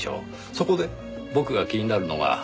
そこで僕が気になるのが。